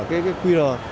cái khu vực này